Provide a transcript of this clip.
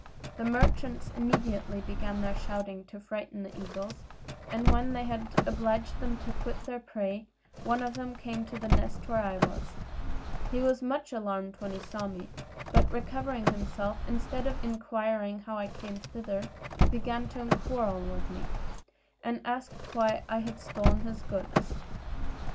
The merchants immediately began their shouting to frighten the eagles; and when they had obliged them to quit their prey, one of them came to the nest where I was. He was much alarmed when he saw me; but recovering himself, instead of inquiring how I came thither, began to quarrel with me, and asked why I stole his goods.